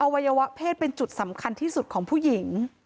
วัยวะเพศเป็นจุดสำคัญที่สุดของผู้หญิง